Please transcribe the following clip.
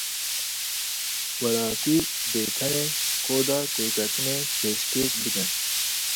Welatî dê tenê koda têketinê pêşkêş bikin.